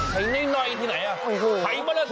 ไห่น้อยที่ไหนไห่มาแล้วเถอะ